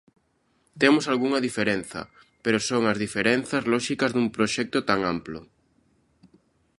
Temos algunha diferenza, pero son as diferenzas lóxicas dun proxecto tan amplo.